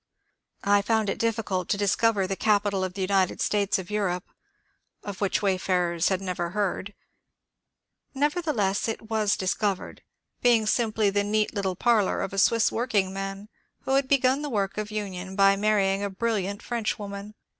I found it diffi cult to discover the Capitol of the United States of Europe, of which wayfarers had never heard. Nevertheless it was dis covered,— being simply the neat little parlor of a Swiss workingman who had begun the work of union by marrying a brilliant Frenchwoman.